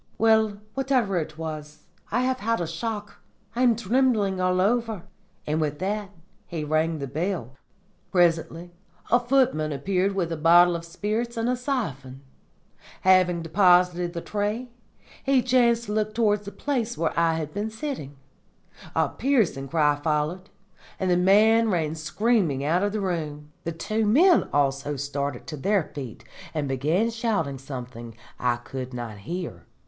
Well, whatever it was, I have had a shock. I am trembling all over.' And with that he rang the bell. "Presently a footman appeared with a bottle of spirits and a siphon. Having deposited the tray, he chanced to look towards the place where I was sitting. A piercing cry followed, and the man ran screaming out of the room. The two men also started to their feet and began shouting something I could not hear.